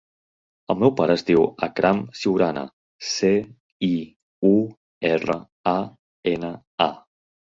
El meu pare es diu Akram Ciurana: ce, i, u, erra, a, ena, a.